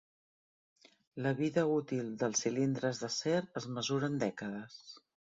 La vida útil dels cilindres d'acer es mesura en dècades.